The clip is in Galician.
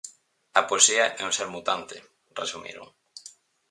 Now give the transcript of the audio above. "A poesía é un ser mutante", resumiron.